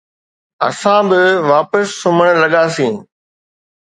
اسان به واپس سمهڻ لڳاسين